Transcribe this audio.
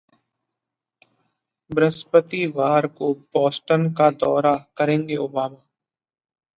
बृहस्पतिवार को बोस्टन का दौरा करेंगे ओबामा